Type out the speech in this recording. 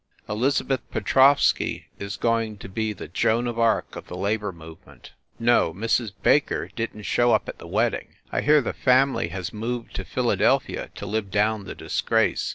Elizabeth Petrovsky is going to be the Joan of Arc of the Labor Movement. No, Mrs. Baker didn t show up at the wedding I hear the family has moved to Philadelphia to live down the disgrace.